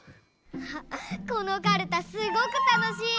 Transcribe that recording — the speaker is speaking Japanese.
このカルタすごくたのしい！